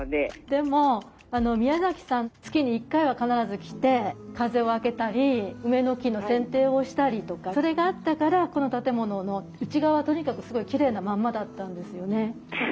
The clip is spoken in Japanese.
でもあの宮さん月に１回は必ず来て風を開けたり梅の木のせんていをしたりとかそれがあったからこの建物の内側はとにかくすごいきれいなまんまだったんですよね。